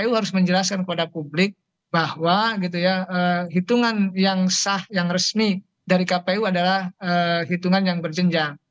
jadi harus menjelaskan kepada publik bahwa hitungan yang sah yang resmi dari kpu adalah hitungan yang berjenjang